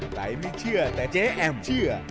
ใครไม่เชื่อแต่เจ๊แอมเชื่อ